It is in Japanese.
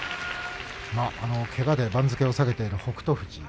けがで番付を下げている北勝富士。